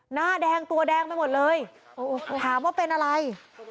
หน้าแดงตัวแดงไปหมดเลยถามว่าเป็นอะไร